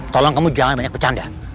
tolong kamu jangan banyak bercanda